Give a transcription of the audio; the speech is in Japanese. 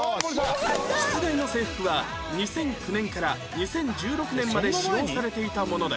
出題の制服は２００９年から２０１６年まで使用されていたもので